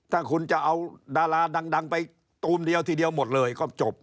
ถ้าคุณจะเอาดาราดังไปตูมเดียวทีเดียวหมดเลยก็จบ